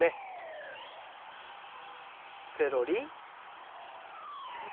セロリ。